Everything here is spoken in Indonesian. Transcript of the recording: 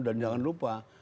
dan jangan lupa